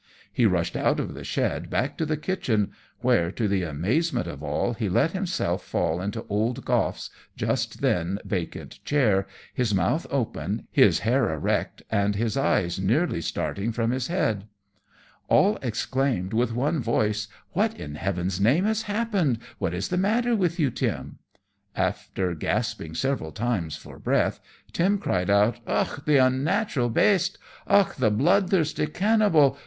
He rushed out of the shed back to the kitchen, where, to the amazement of all, he let himself fall into old Goff's, just then, vacant chair, his mouth open, his hair erect, and his eyes nearly starting from his head. All exclaimed with one voice, "What in heaven's name has happened! What is the matter with you, Tim?" After gasping several times for breath Tim cried out, "Och, the unnatural baste! Och, the blood thirsty cannibal!